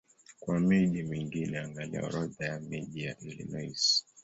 Kwa miji mingine angalia Orodha ya miji ya Illinois.